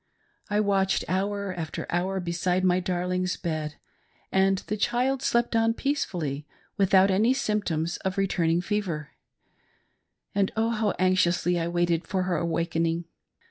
I watched hour after hour beside my darling's bed, and the child slept on peacefully, without any symptoms of return ing fever ; and. Oh, how anxiously I waited for her awaking.